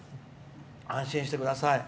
安心してください。